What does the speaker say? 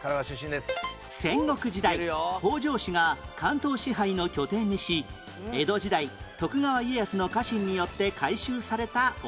戦国時代北条氏が関東支配の拠点にし江戸時代徳川家康の家臣によって改修されたお